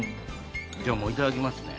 じゃあいただきますね